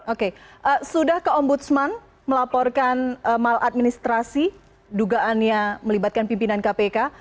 oke sudah ke ombudsman melaporkan maladministrasi dugaannya melibatkan pimpinan kpk